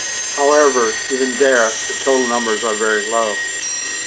However, even there, the total numbers are very low.